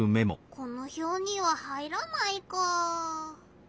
このひょうには入らないかあ。